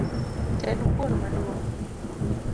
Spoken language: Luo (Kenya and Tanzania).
Ted kuon maduong’